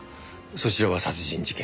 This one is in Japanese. そちらは殺人事件